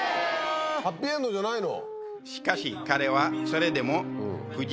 ハッピーエンドじゃないの？